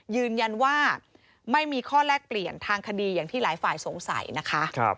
ยืนยันว่าไม่มีข้อแลกเปลี่ยนทางคดีอย่างที่หลายฝ่ายสงสัยนะคะ